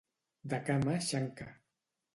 De cama xanca.